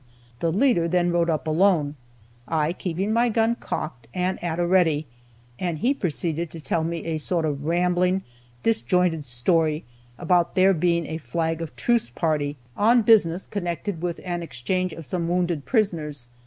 The leader then rode up alone, I keeping my gun cocked, and at a ready, and he proceeded to tell me a sort of rambling, disjointed story about their being a flag of truce party, on business connected with an exchange of some wounded prisoners.